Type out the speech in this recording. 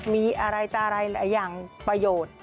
มีอะไรจะอะไรหลายอย่างประโยชน์